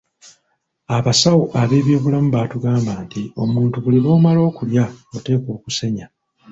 Abasawo ab'ebyobulamu batugamba nti omuntu buli lw'omala okulya oteekwa okusenya.